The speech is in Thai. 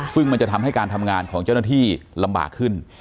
ซึ่งมันจะทำให้การทำงานของเจ้าหน้าที่ลำบากขึ้น